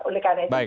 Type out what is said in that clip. oleh karena itu